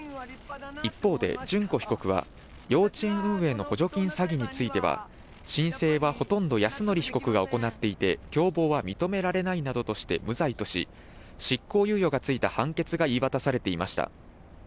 一方で、諄子被告は、幼稚園運営の補助金詐欺については、申請はほとんど泰典被告が行っていて、共謀は認められないなどとして、無罪とし、執行猶予がついた判決が言い渡されていました。